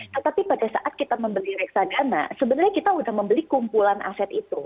tetapi pada saat kita membeli reksadana sebenarnya kita sudah membeli kumpulan aset itu